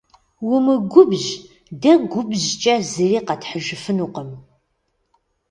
Умыгубжь, дэ губжькӏэ зыри къэтхьыжыфынукъым.